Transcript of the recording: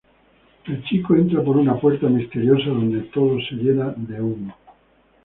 El chico entra por una puerta misteriosa donde todo se llena de humo.